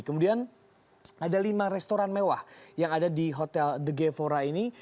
kemudian ada lima restoran mewah yang ada di hotel the gevora ini